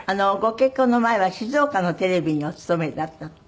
ご結婚の前は静岡のテレビにお勤めだった。